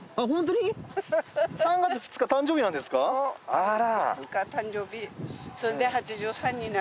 あら。